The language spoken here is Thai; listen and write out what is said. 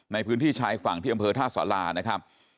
ในพื้นที่ชายฝั่งที่อำเภอท่าสารานะครับ